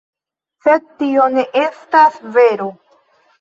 Sed tio ne estas vero.